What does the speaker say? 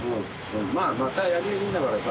またやりゃいいんだからさ。